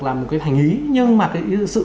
là một cái hành ý nhưng mà cái sự